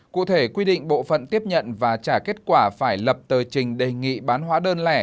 cụ thể quy định bộ phận tiếp nhận và trả kết quả phải lập tờ trình đề nghị bán hóa đơn lẻ